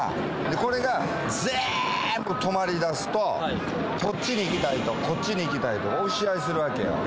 これが全部止まりだすと、こっちに行きたいと、こっちに行きたいと、押し合いするわけよ。